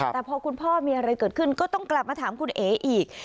แต่พอคุณพ่อมีอะไรเกิดขึ้นก็ต้องกลับมาถามคุณเอ๋อีก